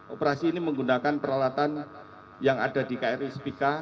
operasi ini menggunakan peralatan yang ada di kri spika